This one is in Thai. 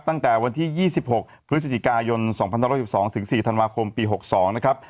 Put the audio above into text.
ตั้งแต่วันที่๒๖พฤศจิกายน๒๑๑๒ถึง๔ธันวาคมปี๖๒นะครับ